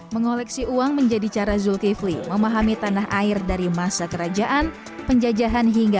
mengoleksi uang menjadi cara zulkifli memahami tanah air dari masa kerajaan penjajahan hingga